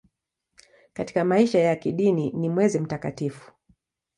Katika maisha ya kidini ni mwezi mtakatifu.